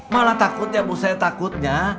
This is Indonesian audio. malah takutnya bu saya takutnya